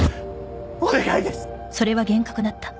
お願いです